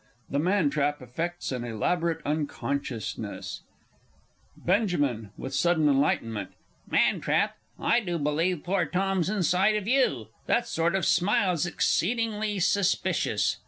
[The Man trap affects an elaborate unconsciousness. [Illustration: Up a Tree!] Benj. (with sudden enlightenment). Man trap, I do believe poor Tom's inside of you! That sort of smile's exceedingly suspicious.